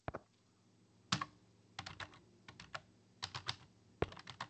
প্রয়োজনে আউট সোর্সিংয়ের মাধ্যমে পরিচ্ছন্নতাকর্মী নিয়োগ দিতে হবে।